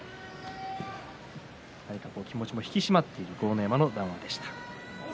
気持ちも引き締まっている豪ノ山の談話でした。